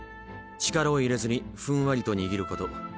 力を入れずにふんわりと握ること。